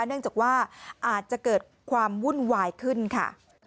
เนื่องจากว่าอาจจะเกิดความวุ่นวายขึ้นค่ะ